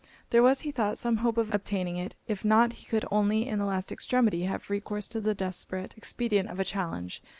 There was, he thought, some hope of obtaining it; if not, he could only in the last extremity have recourse to the desperate expedient of a challenge.